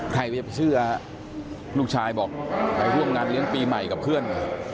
ใครจะเชื่อลูกชายบอกไปร่วมงานเลี้ยงปีใหม่กับเพื่อน